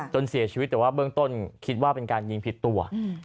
จนเสียชีวิตแต่ว่าเบื้องต้นคิดว่าเป็นการยิงผิดตัว